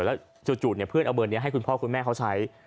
แล้วจู่เพื่อนเอาเบอร์นี้ให้คุณพ่อคุณแม่เขาใช้